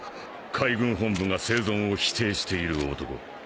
海軍本部が生存を否定している男。